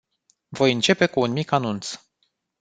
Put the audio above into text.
Voi începe cu un mic anunț.